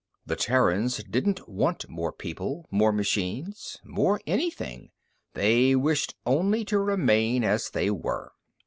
The Terrans didn't want more people, more machines, more anything; they wished only to remain as they were.